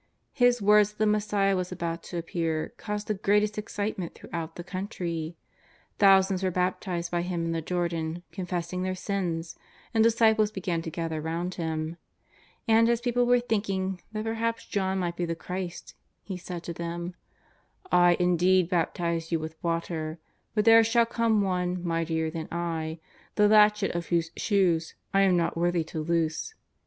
His words that the Messiah was about to appear caused the greatest excitement throughout the country ; thousands were baptized by him in the Jordan confessing their sins, and disciples began to gather round him. And as people were thinking that perhaps John might be the Christ, he said to them :" I indeed baptize you with water, but there shall come One mightier than I, the latchet of whose shoes I am not worthy to loose.